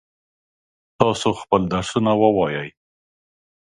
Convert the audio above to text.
تاسو خپل درسونه ووایئ.